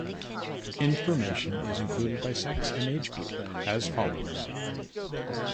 Information is included by sex and age group as follows